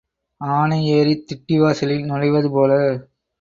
ஆனை ஏறித் திட்டிவாசலில் நுழைவதுபோல.